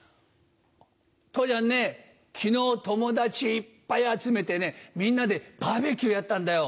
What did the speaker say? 父ちゃんね昨日友達いっぱい集めてみんなでバーベキューやったんだよ。